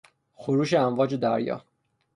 خروش امواج دریا